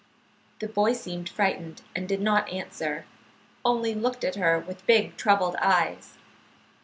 "] The boy seemed frightened, and did not answer, only looked at her with big, troubled eyes.